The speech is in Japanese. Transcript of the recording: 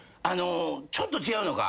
ちょっと違うのか。